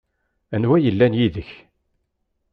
Anwa i yellan yid-k?